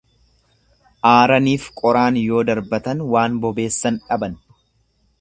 Aaraniif qoraan yoo darbatan waan bobeessan dhaban.